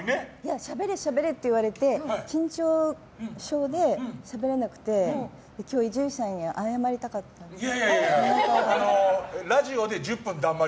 しゃべれしゃべれって言われて緊張症でしゃべれなくて今日、伊集院さんにいやいや。